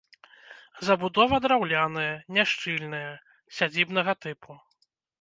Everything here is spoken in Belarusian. Забудова драўляная, няшчыльная, сядзібнага тыпу.